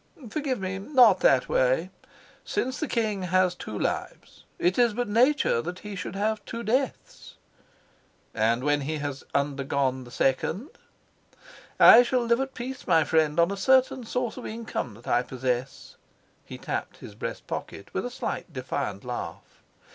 "Forgive me not that way. Since the king has two lives, it is but in nature that he should have two deaths." "And when he has undergone the second?" "I shall live at peace, my friend, on a certain source of income that I possess." He tapped his breast pocket with a slight, defiant laugh.